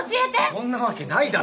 そんなわけないだろ。